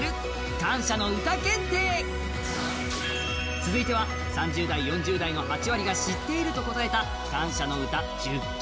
続いては３０代・４０代の８割が知っていると答えた感謝のうた１０曲。